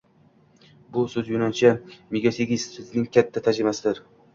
Bu soʻz yunoncha mesógeios soʻzining kalka tarjimasidir